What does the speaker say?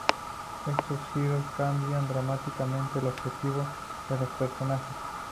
Estos giros cambian dramáticamente el objetivo de los personajes.